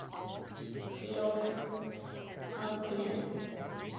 See also: alpidem.